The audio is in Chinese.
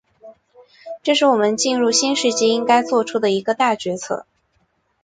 这是我们进入新世纪应该作出的一个大决策。